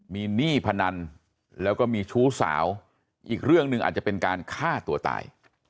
มีหนี้พนันแล้วก็มีชู้สาวอีกเรื่องหนึ่งอาจจะเป็นการฆ่าตัวตาย